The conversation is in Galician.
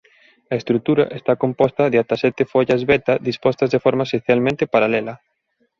A estrutura está composta de ata sete follas beta dispostas de forma esencialmente paralela.